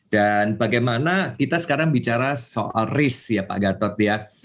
dan bagaimana kita sekarang bicara soal risk ya pak gatot ya